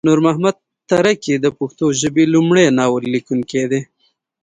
نورمحمد تره کی د پښتو ژبې لمړی ناول لیکونکی دی